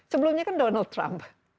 sebelumnya kan donald trump